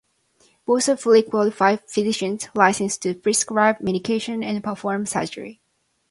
Both are fully qualified physicians, licensed to prescribe medication and perform surgery.